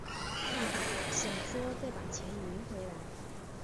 想说再把钱赢回来